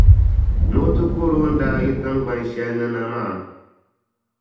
ni o ti kɔr’ o ni daa yi tiŋgban’ shɛli ni na maa.